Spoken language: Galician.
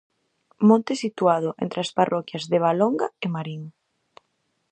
Monte situado entre as parroquias de Valonga e Martín.